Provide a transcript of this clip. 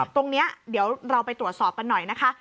ตรงนี้เดี๋ยวเราไปตรวจสอบกันหน่อยนะคะ